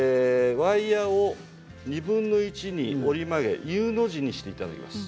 ワイヤーを２分の１に折り曲げてＵの字にしていただきます。